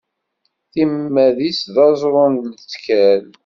Timad-is d aẓṛu n lettkal.